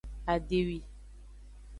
Adewi.